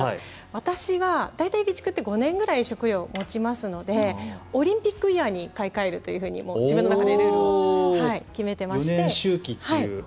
私は大体、備蓄って５年ぐらい食料、もちますのでオリンピックイヤーに買い替えるというのを自分の中でルールを決めてまして。